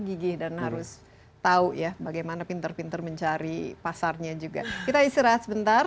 gigih dan harus tahu ya bagaimana pinter pinter mencari pasarnya juga kita istirahat sebentar